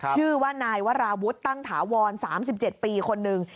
ชื่อว่านายวราวุฒิตั้งถาวร๓๗ปีคนหนึ่ง